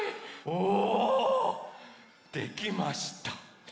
おおできました！